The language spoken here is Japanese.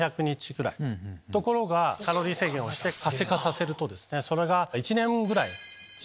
ところがカロリー制限をして活性化させると。